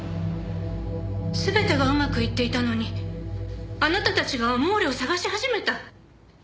全てがうまくいっていたのにあなたたちが『アモーレ』を捜し始めた。